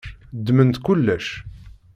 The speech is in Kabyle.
Ddmemt kullec.